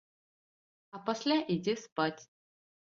А пасля ідзе спаць.